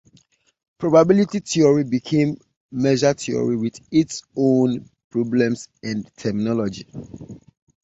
Probability theory became measure theory with its own problems and terminology.